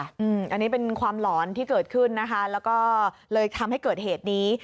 อันนี้เป็นความหลอนที่เกิดขึ้นนะคะแล้วก็เลยทำให้เกิดเหตุนี้